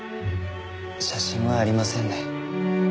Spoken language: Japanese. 写真はありませんね。